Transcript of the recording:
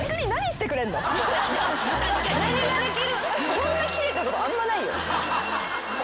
こんなキレたことあんまないよ。